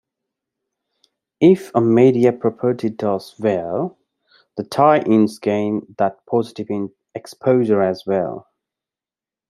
If a media property does well, the tie-ins gain that positive exposure as well.